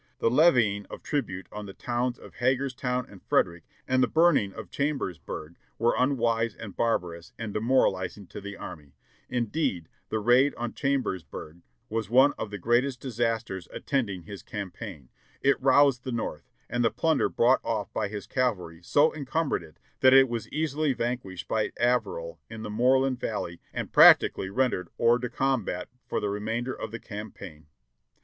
The levying of tribute on the towns of Hagerstown and Frederick and the burning of Chambersburg were unwise and barbarous, and de moralizing to the army ; indeed the raid on Chambersburg was one of the greatest disasters attending his campaign — it roused the North, and the plunder brought off by his cavalry so incumbered it that it was easily vanquished by Averell in the Moorfield Valley and practically rendered Jiors de combat for the remainder of the cam paign.